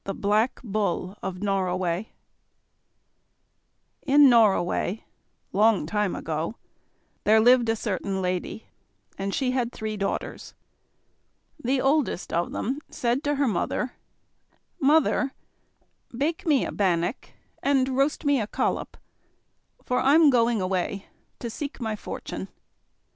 Black Bull of Norroway In Norroway, long time ago, there lived a certain lady, and she had three daughters: The oldest of them said to her mother: "Mother, bake me a bannock, and roast me a collop, for I'm going away to seek my fortune."